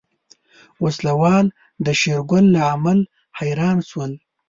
وسله وال د شېرګل له عمل حيران شول.